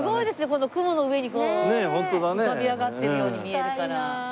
この雲の上にこう浮かび上がってるように見えるから。